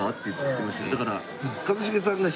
だから一茂さんが。